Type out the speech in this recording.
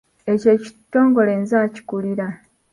Ekyo ekitongole nze akikulira.